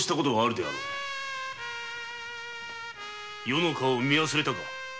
余の顔を見忘れたか！